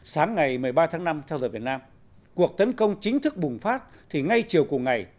sáng ngày một mươi ba tháng năm theo giờ việt nam cuộc tấn công chính thức bùng phát thì ngay chiều cùng ngày